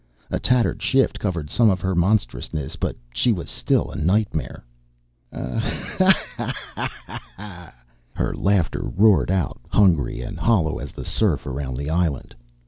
A tattered shift covered some of her monstrousness, but she was still a nightmare. "Ho ho, ho ho!" Her laughter roared out, hungry and hollow as the surf around the island.